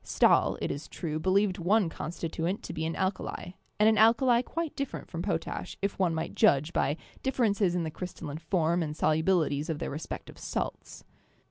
Stahl, it is true, believed one constituent to be an alkali, and an alkali quite different from potash, if one might judge by differ ences in the crystalline form and solubilities of their re spective salts.